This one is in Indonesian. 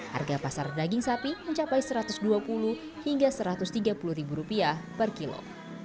harga pasar daging sapi mencapai rp satu ratus dua puluh hingga rp satu ratus tiga puluh per kilo